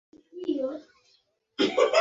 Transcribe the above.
এই মুখ কি কোনো মানবীর মুখ?